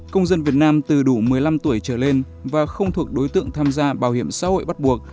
công dân việt nam từ đủ một mươi năm tuổi trở lên và không thuộc đối tượng tham gia bảo hiểm xã hội bắt buộc